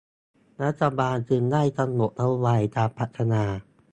รัฐบาลจึงได้กำหนดนโยบายการพัฒนา